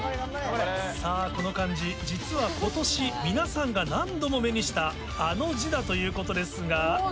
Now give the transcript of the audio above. さぁこの漢字実は今年皆さんが何度も目にしたあの字だということですが。